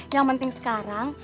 yang penting sekarang